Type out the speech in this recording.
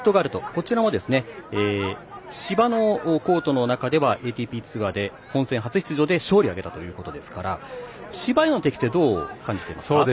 こちらも、芝のコートの中ではＡＴＰツアーで本戦初出場で勝利を挙げたということですから芝への適性、どう感じていますか。